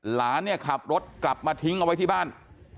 หลานเนี่ยขับรถกลับมาทิ้งเอาไว้ที่บ้าน